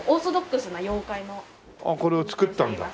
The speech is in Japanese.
ああこれを作ったんだ。